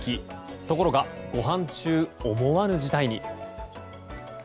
ところがごはん中思わぬ事態に。